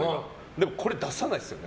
でもこれ出さないですよね？